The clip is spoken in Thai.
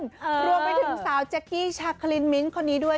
รวมไปถึงสาวแจ๊กกี้ชาคลินมิ้งคนนี้ด้วย